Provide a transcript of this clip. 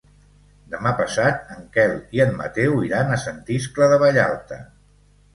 Demà passat en Quel i en Mateu iran a Sant Iscle de Vallalta.